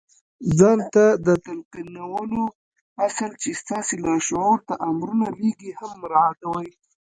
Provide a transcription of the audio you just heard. ځان ته د تلقينولو اصل چې ستاسې لاشعور ته امرونه لېږي هم مراعتوئ.